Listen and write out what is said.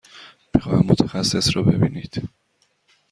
می خواهم متخصص را ببینید.